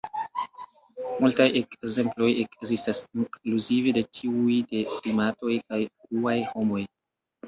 Multaj ekzemploj ekzistas, inkluzive de tiuj de primatoj kaj fruaj homoj.